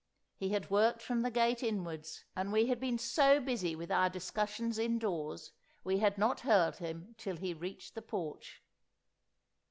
He had worked from the gate inwards, and we had been so busy with our discussions indoors, we had not heard him till he reached the porch.